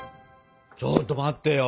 ちょっと待ってよ。